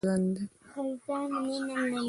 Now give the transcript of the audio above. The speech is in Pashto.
کوبیزم د شلمې میلادي پیړۍ مهم هنري غورځنګ دی.